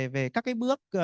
về các cái bước